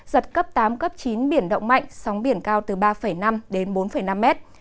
giật cấp tám cấp chín biển động mạnh sóng biển cao từ ba năm đến bốn năm mét